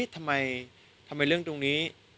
ทำไมเรื่องตรงนี้